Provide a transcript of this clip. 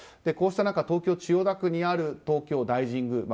こうした中東京・千代田区にある東京大神宮。